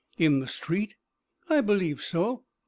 "In the street?" "I believe so."